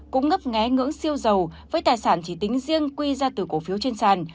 cũng ngấp ngé ngưỡng siêu giàu với tài sản chỉ tính riêng quy ra từ cổ phiếu trên sàn